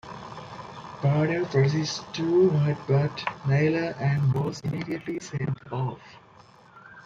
Pardew proceeded to headbutt Meyler and was immediately sent off.